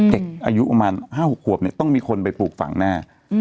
เด็กอายุประมาณ๕๖ขวบเนี่ยต้องมีคนไปปลูกฝังแน่